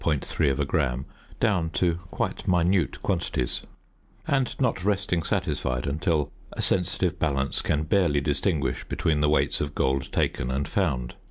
3 gram down to quite minute quantities, and not resting satisfied until a sensitive balance can barely distinguish between the weights of gold taken and found.